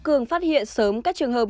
cường phát hiện sớm các trường hợp